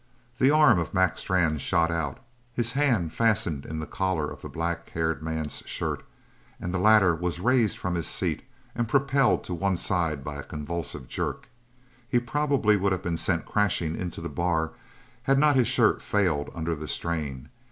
The arm of Mac Strann shot out; his hand fastened in the collar of the black haired man's shirt, and the latter was raised from his seat and propelled to one side by a convulsive jerk. He probably would have been sent crashing into the bar had not his shirt failed under the strain.